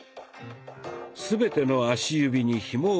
全ての足指にひもを巻きます。